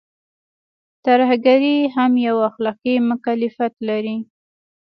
ترهګري هم يو اخلاقي مکلفيت لري.